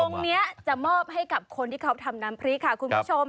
นี้จะมอบให้กับคนที่เขาทำน้ำพริกค่ะคุณผู้ชม